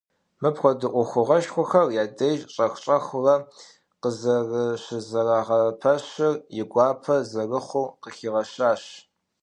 Мыпхуэдэ ӏуэхугъуэшхуэхэр я деж щӏэх-щӏэхыурэ къызэрыщызэрагъэпэщыр и гуапэ зэрыхъур къыхигъэщащ.